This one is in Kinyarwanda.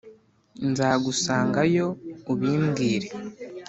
nzagusanga yo ubimbwire.